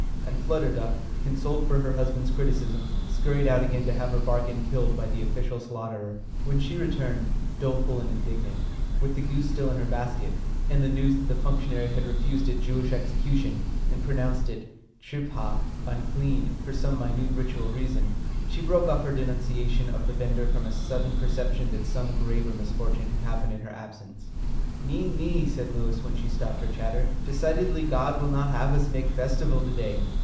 And Flutter Duck, consoled for her husband's criticism, scurried out again to have her bargain killed by the official slaughterer. When she returned, doleful and indignant, with the goose still in her basket, and the news that the functionary had refused it Jewish execution, and pronounced it tripha (unclean) for some minute ritual reason, she broke off her denunciation of the vendor from a sudden perception that some graver misfortune had happened in her absence. "Nee, nee," said Lewis, when she stopped her chatter. "Decidedly God will not have us make Festival to day.